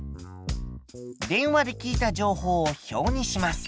電話で聞いた情報を表にします。